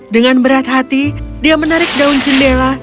dengan berat hati dia menarik daun jendela